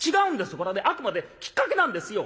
これはねあくまできっかけなんですよ」。